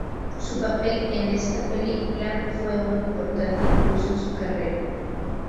Su papel en esta película fue un importante impulso en su carrera.